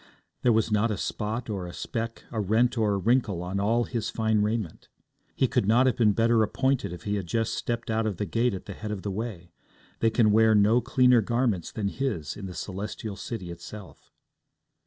There was not a spot or a speck, a rent or a wrinkle on all his fine raiment. He could not have been better appointed if he had just stepped out of the gate at the head of the way; they can wear no cleaner garments than his in the Celestial City itself.